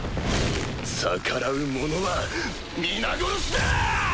逆らう者は皆殺しだ！